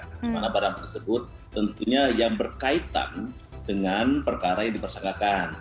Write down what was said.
di mana barang tersebut tentunya yang berkaitan dengan perkara yang dipersangkakan